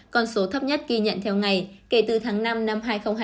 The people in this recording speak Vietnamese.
con số thấp nhất ghi nhận theo ngày kể từ tháng năm năm hai nghìn hai mươi